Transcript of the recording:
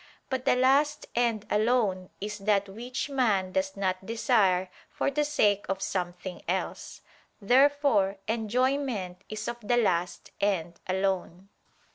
But the last end alone is that which man does not desire for the sake of something else. Therefore enjoyment is of the last end alone.